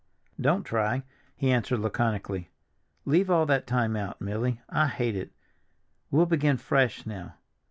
"Don't try," he answered laconically. "Leave all that time out, Milly, I hate it. We'll begin fresh now."